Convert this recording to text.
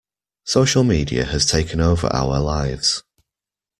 Social media has taken over our lives.